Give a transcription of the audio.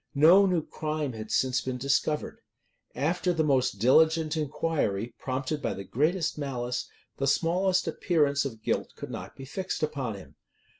No new crime had since been discovered. After the most diligent inquiry, prompted by the greatest malice, the smallest appearance of guilt could not be fixed upon him.